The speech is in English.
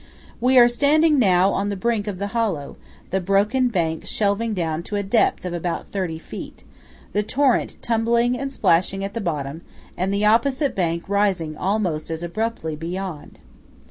We are standing now on the brink of the hollow, the broken bank shelving down to a depth of about thirty feet; the torrent tumbling and splashing at the bottom; and the opposite bank rising almost as abruptly beyond.